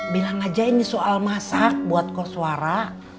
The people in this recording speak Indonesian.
bilang aja ini soal masak buat koswara